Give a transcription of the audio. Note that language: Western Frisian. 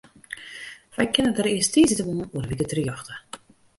Wy kinne dêr earst tiisdeitemoarn oer in wike terjochte.